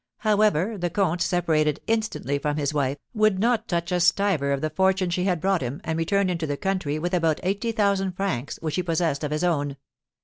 However, the comte separated instantly from his wife, would not touch a stiver of the fortune she had brought him, and returned into the country with about eighty thousand francs which he possessed of his own.